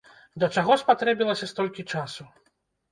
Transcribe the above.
Для чаго спатрэбілася столькі часу?